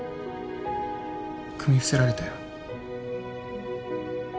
組み伏せられたよ。